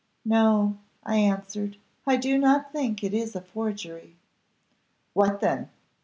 'No,' I answered, 'I do not think it is a forgery.' "'What then?